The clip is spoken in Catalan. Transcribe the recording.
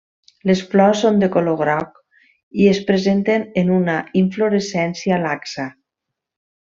Les flors són de color groc i es presenten en una inflorescència laxa.